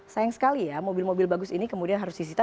sayang sekali ya mobil mobil bagus ini kemudian harus disita